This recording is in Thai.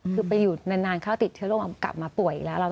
คือไปอยู่นานเขาก็ติดเชื้อโรงพยาบาลกลับมาป่วยแล้ว